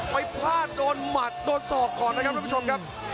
พลาดโดนหมัดโดนศอกก่อนนะครับท่านผู้ชมครับ